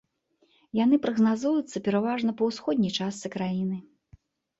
Яны прагназуюцца пераважна па ўсходняй частцы краіны.